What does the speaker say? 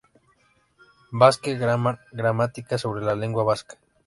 Basque Grammar: Gramática sobre la lengua vasca.